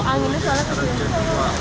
anginnya suara pesan